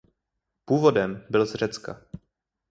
Původem byl z Řecka.